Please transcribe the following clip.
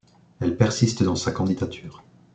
Elle persiste dans sa candidature.